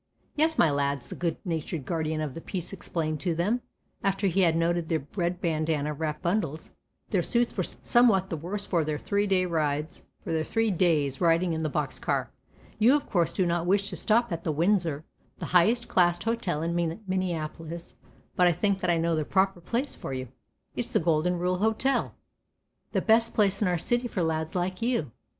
"Yes, my lads," the good natured guardian of the peace explained to them, after he had noted their red bandana wrapped bundles and that their suits were somewhat the worse for their three days riding in the box car, "you of course do not wish to stop at the Windsor, the highest classed hotel in Minneapolis, but I think that I know the proper place for you, it's the 'Golden Rule Hotel', the best place in our city for lads like you."